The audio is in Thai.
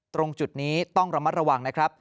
ตรงจุดนี้ต้องระมัดระวังนะครับ